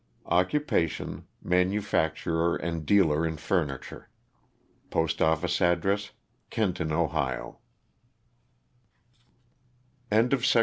Occupation, manufacturer and dealer in furniture, Postoffice address, Kenton, Ohio, 330 LOSS OF THE SULTAN^A.